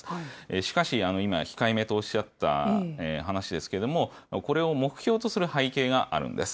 しかし、今、控えめとおっしゃった話ですけれども、これを目標とする背景があるんです。